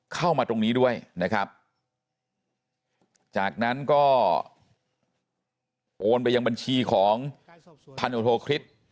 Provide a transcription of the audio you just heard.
เข้ามาตรงนี้ด้วยนะครับจากนั้นก็โอนไปยังบัญชีของพันธุโทคริสต์